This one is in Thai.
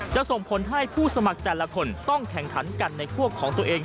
ส่งผลให้ผู้สมัครแต่ละคนต้องแข่งขันกันในคั่วของตัวเอง